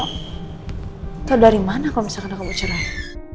kau dari mana kalau misalkan aku mau cerai